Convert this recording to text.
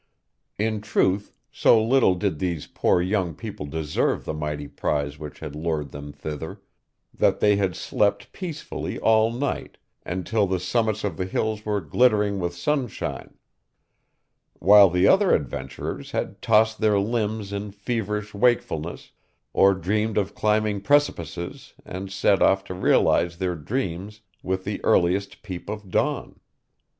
In truth, so little did these poor young people deserve the mighty prize which had lured them thither, that they had slept peacefully all night, and till the summits of the hills were glittering with sunshine; while the other adventurers had tossed their limbs in feverish wakefulness, or dreamed of climbing precipices, and set off to realize their dreams with the earliest peep of dawn.